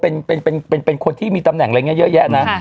เป็นคนที่มีตำแหน่งอะไรเยอะแยะนะ